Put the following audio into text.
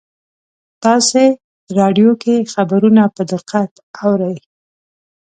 تاسې راډیو کې خبرونه په دقت اورئ